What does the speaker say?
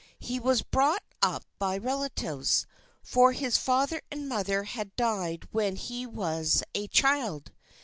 He was brought up by relatives, for his father and mother had died when he was a child.